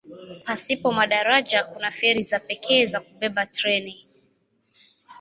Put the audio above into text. Pasipo madaraja kuna feri za pekee za kubeba treni.